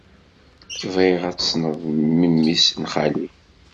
Bɣiɣ ad tessneḍ memmi-s n xali.